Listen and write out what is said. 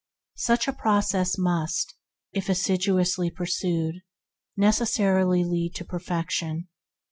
Such a process must, if assiduously pursued, necessarily lead to perfection.